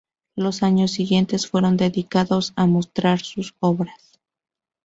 Los años siguientes fueron dedicados a mostrar sus obras.